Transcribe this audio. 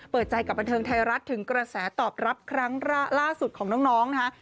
เปิดใจกับบันเทิงไทยรัฐถึงกระแสตอบรับครั้งล่าสุดของน้องนะคะ